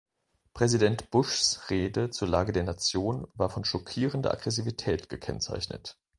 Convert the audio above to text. Präsident Bushs Rede zur Lage der Nation war von schockierender Aggressivität gekennzeichnet.